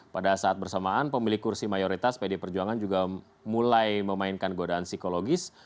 pada saat bersamaan pemilik kursi mayoritas pd perjuangan juga mulai memainkan godaan psikologis